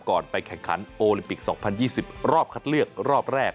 ไปแข่งขันโอลิมปิก๒๐๒๐รอบคัดเลือกรอบแรก